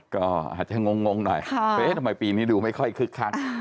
ก็อาจจะงงหน่อยเอ๊ะทำไมปีนี้ดูไม่ค่อยคึกคัก